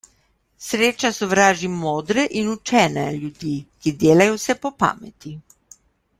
Sreča sovraži modre in učene ljudi, ki delajo vse po pameti.